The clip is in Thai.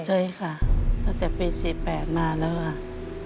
ใช่ค่ะตั้งแต่ปี๔๘มาแล้วค่ะ